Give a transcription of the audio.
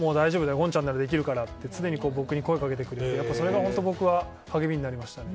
ゴンちゃんならできるからって常に声をかけてくれてそれが僕は励みになりました。